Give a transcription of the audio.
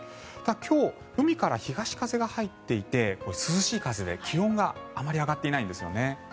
今日、海から東風が入っていて涼しい風で気温があまり上がっていないんですよね。